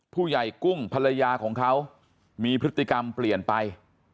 ผู้ใหญ่กุ้งภรรยาของเขามีพฤติกรรมเปลี่ยนไป